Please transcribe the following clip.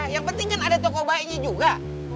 yang penting kan ada tokoh baiknya juga